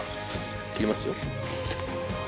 切りますよ。